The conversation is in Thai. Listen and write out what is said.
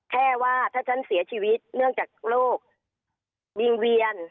แค่ว่าถ้าฉันเสียชีวิตเนื่องจากโรควิงเวียน